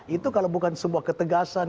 itu kalau bukan sebuah ketegasan